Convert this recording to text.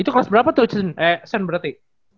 itu kelas berapa tuh sen berarti